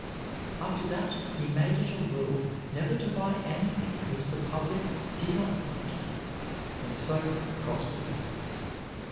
After that he made it a rule never to buy anything which the public did not want, and so prospered.